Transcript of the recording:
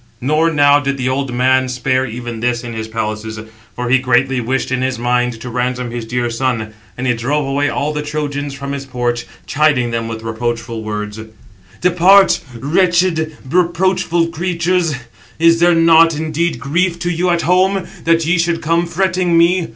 Nor now did the old man spare even this in his palaces; for he greatly wished in his mind to ransom his dear son. And he drove away all the Trojans from his porch, chiding them with reproachful words: "Depart, wretched, reproachful [creatures]; is there not indeed grief to you at home, that ye should come fretting me?